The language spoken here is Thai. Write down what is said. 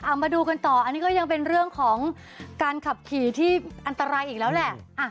เอามาดูกันต่ออันนี้ก็ยังเป็นเรื่องของการขับขี่ที่อันตรายอีกแล้วแหละ